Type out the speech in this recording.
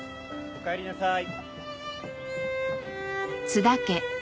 おかえりなさい。